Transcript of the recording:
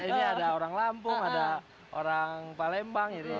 jadi ini ada orang lampung ada orang palembang